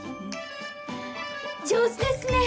上手ですね！